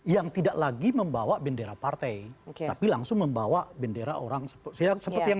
yang tidak lagi membawa bendera partai tapi langsung membawa bendera orang seperti yang